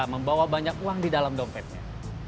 membawa banyak uang di dalam dompetnya